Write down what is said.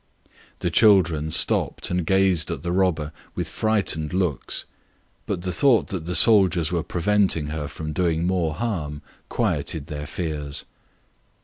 The children stopped and gazed at the robber with frightened looks; but the thought that the soldiers were preventing her from doing more harm quieted their fears.